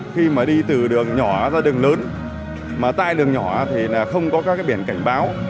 khi mà đi từ đường nhỏ ra đường lớn mà tại đường nhỏ thì không có các biển cảnh báo